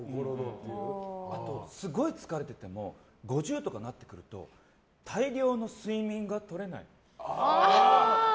あと、すごい疲れてても５０とかになってくると大量の睡眠がとれない。